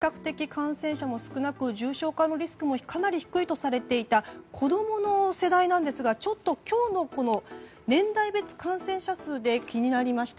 そして、これまでは比較的感染者も少なく重症化のリスクもかなり低いとされていた子供の世代なんですが今日の年代別感染者数で気になりました。